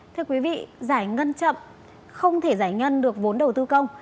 thưa quý vị giải ngân chậm không thể giải ngân được vốn đầu tư công